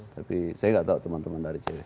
tapi saya tidak tahu teman teman dari cw